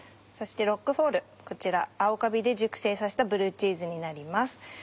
そしてロックフォールこちら青カビで熟成させたブルーチーズになります。